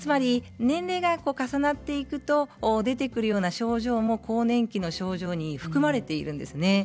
年齢が重なっていくと出てくるような症状も更年期の症状に含まれているんですね。